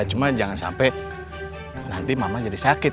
cuma jangan sampai nanti mama jadi sakit